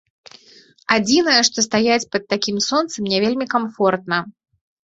Адзінае, што стаяць пад такім сонцам не вельмі камфортна.